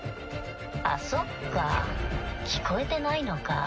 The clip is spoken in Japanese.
あっそっか聞こえてないのか。